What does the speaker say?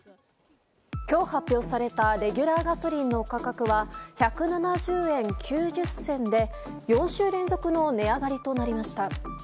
今日発表されたレギュラーガソリンの価格は１７０円９０銭で４週連続の値上がりとなりました。